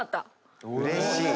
うれしい！